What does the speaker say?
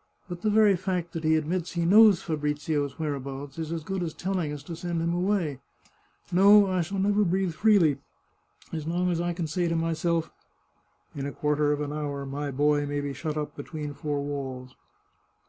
" But the very fact that he admits he knows Fabrizio's whereabouts is as good as telling us to send him away. No, I shall never breathe freely as long as I can say to myself, * In a quarter of an hour my boy may be shut up between four walls